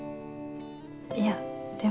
いやでも。